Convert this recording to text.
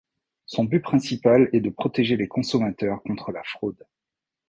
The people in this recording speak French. Son but principal est de protéger les consommateurs contre la fraude.